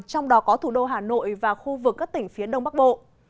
trong đó có thủ đô hà nội và khu vực các tỉnh phía đông bắc bộ